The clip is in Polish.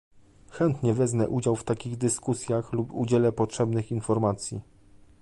Chętnie wezmę udział w takich dyskusjach lub udzielę potrzebnych informacji